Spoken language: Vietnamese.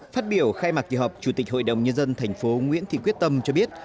phát biểu khai mạc kỳ họp chủ tịch hội đồng nhân dân tp nguyễn thị quyết tâm cho biết